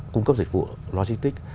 cung cấp dịch vụ logistics